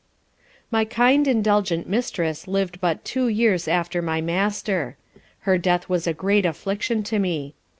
"_ My kind, indulgent Mistress liv'd but two years after my Master. Her death was a great affliction to me.